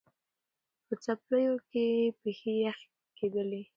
په څپلیو کي یې پښې یخی کېدلې